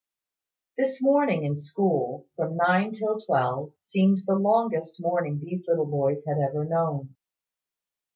This morning in school, from nine till twelve, seemed the longest morning these little boys had ever known.